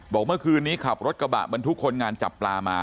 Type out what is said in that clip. เมื่อคืนนี้ขับรถกระบะบรรทุกคนงานจับปลามา